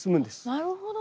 なるほど。